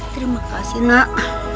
terima kasih nak